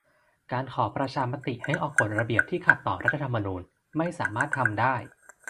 การขอประชามติให้ออกกฎระเบียบที่ขัดต่อรัฐธรรมนูญไม่สามารถทำได้